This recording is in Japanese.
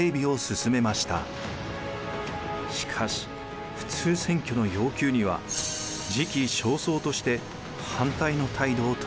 しかし普通選挙の要求には時期尚早として反対の態度を取りました。